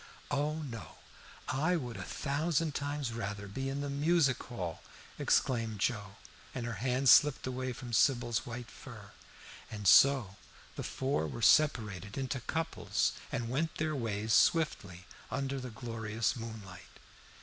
"Oh no! I would a thousand times rather be in the Music Hall!" exclaimed Joe, and her hand slipped away from Sybil's white fur. And so the four were separated into couples, and went their ways swiftly under the glorious moonlight.